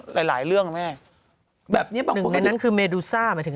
หลายหลายเรื่องน่ะแม่แบบนี้ตรงในนั้นคือเมดูซ่า